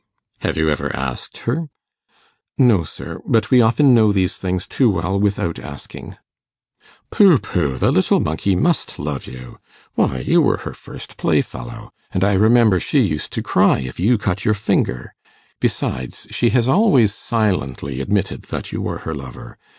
'Have you ever asked her?' 'No, sir. But we often know these things too well without asking.' 'Pooh, pooh! the little monkey must love you. Why, you were her first playfellow; and I remember she used to cry if you cut your finger. Besides, she has always silently admitted that you were her lover.